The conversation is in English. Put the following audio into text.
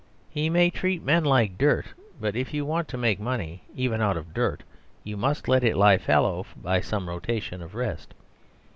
He may treat men like dirt; but if you want to make money, even out of dirt, you must let it lie fallow by some rotation of rest.